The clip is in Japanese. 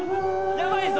やばいぞ！